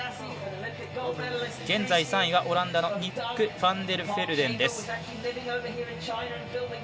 現在３位はオランダのニック・ファンデルフェルデン。